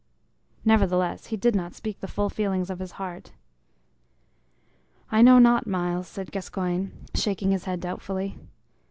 Nevertheless, he did not speak the full feelings of his heart. "I know not, Myles," said Gascoyne, shaking his head doubtfully.